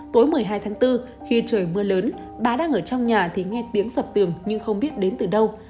tối một mươi hai tháng bốn khi trời mưa lớn bà đang ở trong nhà thì nghe tiếng sập tường nhưng không biết đến từ đâu